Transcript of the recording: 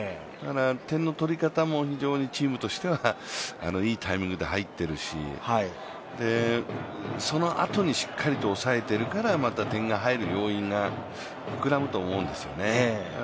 点の取り方も非常にチームとしてはいいタイミングで入ってるしそのあとにしっかりと抑えているからまた点が入る要因が膨らむと思うんですよね。